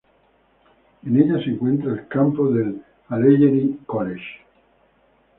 En ella se encuentra el campus del Allegheny College.